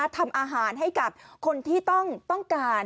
ทำอาหารให้กับคนที่ต้องการ